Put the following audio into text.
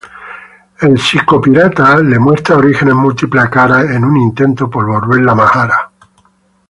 El Psico-Pirata le muestra orígenes múltiples a Kara en un intento por volverla loca.